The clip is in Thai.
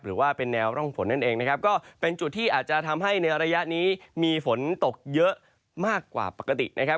หรือว่าเป็นแนวร่องฝนนั่นเองนะครับก็เป็นจุดที่อาจจะทำให้ในระยะนี้มีฝนตกเยอะมากกว่าปกตินะครับ